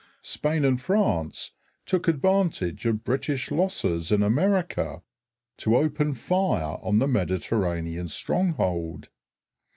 Spain and France took advantage of British losses in America to open fire on the Mediterranean stronghold.